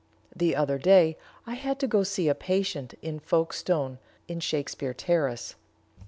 "The other day I had to go to see a patient in Folkestone, in Shakespeare Terrace.